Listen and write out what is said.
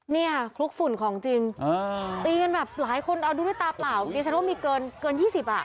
เนี่ยคลุกฝุ่นของจริงตีกันแบบหลายคนเอาดูด้วยตาเปล่าดิฉันว่ามีเกิน๒๐อ่ะ